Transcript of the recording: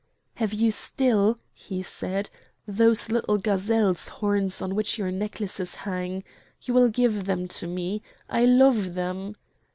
"Have you still," he said, "those little gazelle's horns on which your necklaces hang? You will give them to me! I love them!"